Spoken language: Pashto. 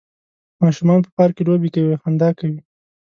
ماشومان په پارک کې لوبې کوي او خندا کوي